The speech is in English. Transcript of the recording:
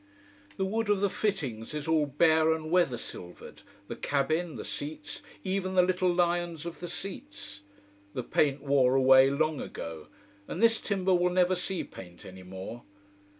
The wood of the fittings is all bare and weather silvered, the cabin, the seats, even the little lions of the seats. The paint wore away long ago: and this timber will never see paint any more.